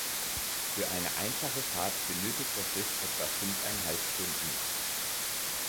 Für eine einfache Fahrt benötigt das Schiff etwa fünfeinhalb Stunden.